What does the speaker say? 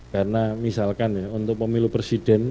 karena misalkan untuk pemilu presiden